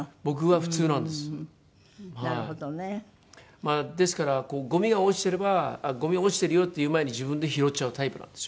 まあですからゴミが落ちてれば「ゴミ落ちてるよ」って言う前に自分で拾っちゃうタイプなんです。